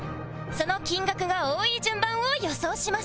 その金額が多い順番を予想します